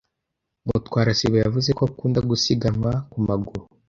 Mutwara sibo yavuze ko akunda gusiganwa ku maguru.